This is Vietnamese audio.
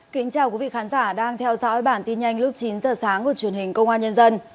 kính chào quý vị khán giả đang theo dõi bản tin nhanh lúc chín giờ sáng của truyền hình công an nhân dân